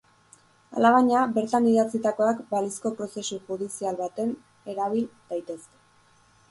Alabaina, bertan idatzitakoak balizko prozesu judizial baten erabil daitezke.